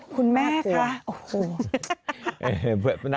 คุณแม่คะ